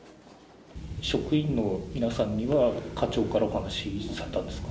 職員の皆さんには、課長からお話しされたんですか？